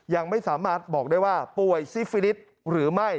ยังไม่สามารถบอกได้ว่าป่วยซิฟิลิสหรือไม่